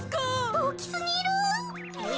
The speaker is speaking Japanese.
おおきすぎる。